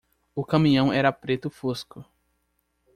O caminhão era preto fusco.